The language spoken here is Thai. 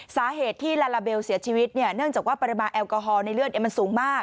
สาเหตุที่ลาลาเบลเสียชีวิตเนี่ยเนื่องจากว่าปริมาณแอลกอฮอล์ในเลือดมันสูงมาก